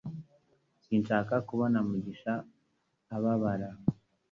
Sinshaka kubona mugisha ababara